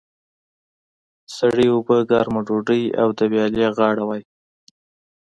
سړې اوبه، ګرمه ډودۍ او د ویالې غاړه وای.